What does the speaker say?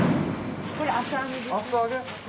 これ厚揚げです。